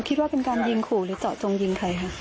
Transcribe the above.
คิดว่าเป็นการยิงขู่หรือเจาะจงยิงใครค่ะ